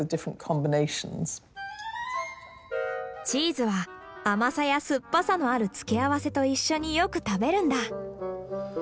チーズは甘さや酸っぱさのある付け合わせと一緒によく食べるんだ。